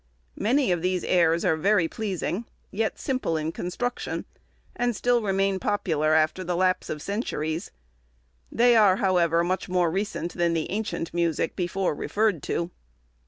Many of these airs are very pleasing, yet simple in construction, and still remain popular after the lapse of centuries; they are, however, much more recent than the ancient music before referred to.